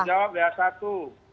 menjawab ya satu